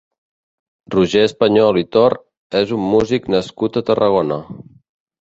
Roger Español i Tor és un músic nascut a Tarragona.